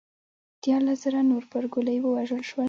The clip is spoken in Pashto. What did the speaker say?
دیارلس زره نور پر ګولیو ووژل شول